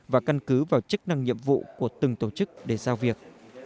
và căn cứ vào chức năng nhiệm vụ của từng tổ chức để giao việc